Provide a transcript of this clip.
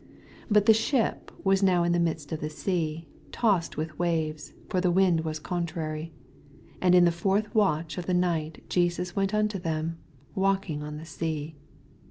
24 But the ship was now in the midst of the sea, tossed with waves : for the wind was contrary. 25 And in the fourth watch of the night Jesus went unto them, walking on the sea.